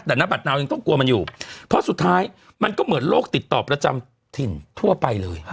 แต่นบัตรนาวยังต้องกลัวมันอยู่เพราะสุดท้ายมันก็เหมือนโรคติดต่อประจำถิ่นทั่วไปเลย